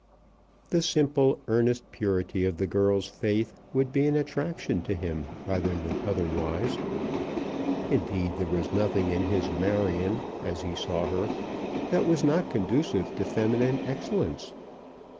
The simple, earnest purity of the girl's faith would be an attraction to him rather than otherwise. Indeed, there was nothing in his Marion, as he saw her, that was not conducive to feminine excellence.